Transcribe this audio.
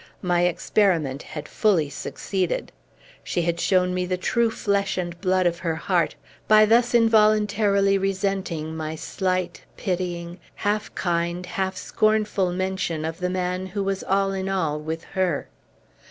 My experiment had fully succeeded. She had shown me the true flesh and blood of her heart, by thus involuntarily resenting my slight, pitying, half kind, half scornful mention of the man who was all in all with her.